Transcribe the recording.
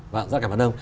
vâng rất cảm ơn ông